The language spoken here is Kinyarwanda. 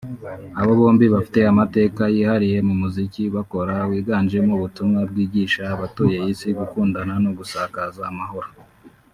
Aba bombi bafite amateka yihariye mu muziki bakora wiganjemo ubutumwa bwigisha abatuye Isi gukundana no gusakaza amahoro